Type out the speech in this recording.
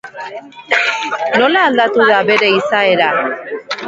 Nola aldatu da bere izaera?